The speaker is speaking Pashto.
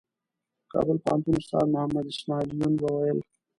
د کابل پوهنتون استاد محمد اسمعیل یون به ویل.